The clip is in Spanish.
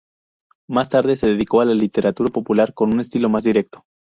Más tarde se dedicó a la literatura popular, con un estilo más directo.